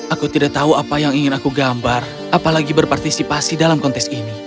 aku tidak tahu apa yang ingin aku gambar apalagi berpartisipasi dalam kontes ini